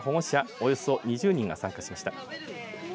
およそ２０人が参加しました。